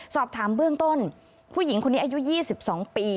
สอบถามเบื้องต้นผู้หญิงคนนี้อายุ๒๒ปี